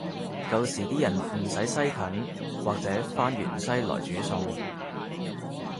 舊時啲人唔使西芹或者番芫茜來煮餸